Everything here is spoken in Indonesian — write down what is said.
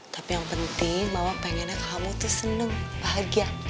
tapi yang penting mama pengennya kamu tuh seneng bahagia